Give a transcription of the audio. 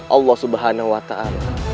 allah subhanahu wa ta'ala